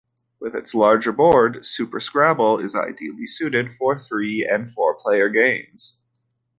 With its larger board, "Super Scrabble" is ideally suited for three- and four-player games.